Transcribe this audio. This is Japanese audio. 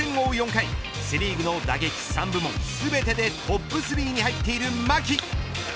４回セ・リーグの打撃３部門全てでトップ３に入っている牧。